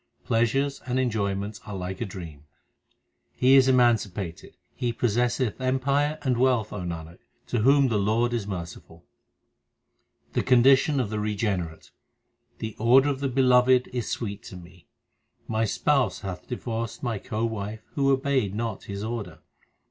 Pleasures and enjoyments are like a dream. He is emancipated, he possesseth empire and wealth, O Nanak, to whom the Lord is merciful. HYMNS OF GURU ARJAN 299 The condition of the regenerate : The order of the Beloved is sweet to me ; My Spouse hath divorced my co wife who obeyed not His order.